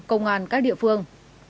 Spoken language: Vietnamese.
công an các địa phương